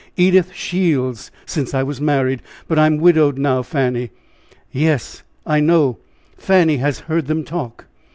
"Edith Shields, since I was married, but I am widowed now, Fanny." "Yes, I know Fanny has heard them talk!"